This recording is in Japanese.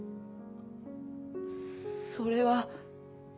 それは。